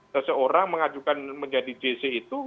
seseorang mengajukan menjadi jc itu